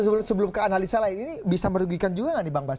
sebelum ke analisa lain ini bisa merugikan juga nggak nih bang bas